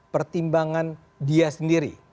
pertimbangan dia sendiri